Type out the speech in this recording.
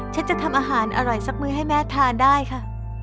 ฉันจะทำอาหารอร่อยสักมือให้แม่ทานได้ค่ะ